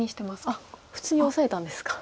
あっ普通にオサえたんですか。